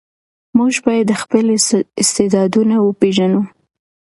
موږ باید خپل استعدادونه وپېژنو.